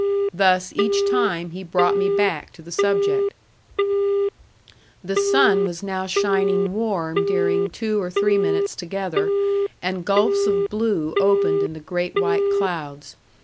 Thus, each time, he brought me back to the subject. The sun was now shining warm during two or three minutes together, and gulfs of blue opened in the great white clouds.